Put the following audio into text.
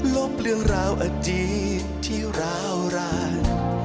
ลบเรื่องราวอาจีที่ราวร้าย